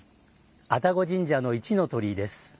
愛宕神社の一の鳥居です。